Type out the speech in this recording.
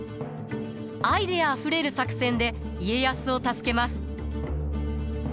アイデアあふれる作戦で家康を助けます。